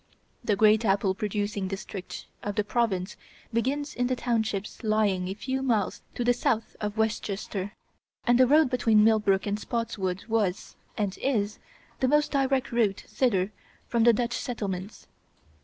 The great apple producing district of the Province begins in the townships lying a few miles to the south of Westchester, and the road between Millbrook and Spotswood was, and is, the most direct route thither from the Dutch settlements.